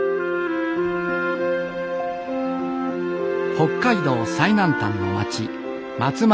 北海道最南端の町松前町。